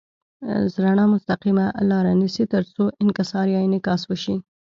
رڼا مستقیمه لاره نیسي تر څو انکسار یا انعکاس وشي.